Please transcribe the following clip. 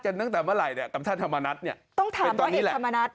กันตั้งแต่เมื่อไหร่เนี่ยธรรมนัสเนี่ยต้องถามร้อยเอกธรรมนัส